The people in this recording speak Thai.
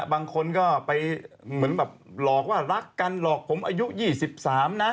บางคนก็ไปเหมือนแบบหลอกว่ารักกันหลอกผมอายุ๒๓นะ